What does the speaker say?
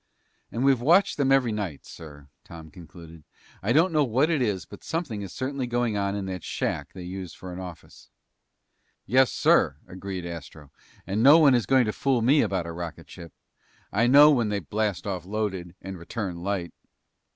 "And we've watched them every night, sir," Tom concluded. "I don't know what it is, but something certainly is going on in that shack they use for an office." "Yes, sir," agreed Astro, "and no one is going to fool me about a rocket ship. I know when they blast off loaded and return light."